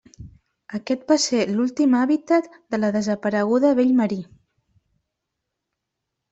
Aquest va ser l'últim hàbitat de la desapareguda vell marí.